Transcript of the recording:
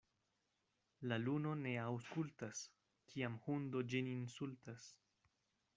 La luno ne aŭskultas, kiam hundo ĝin insultas.